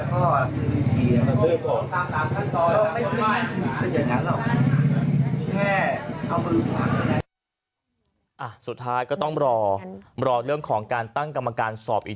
สอบส่วนทางวินัยว่าจะเป็นอย่างไร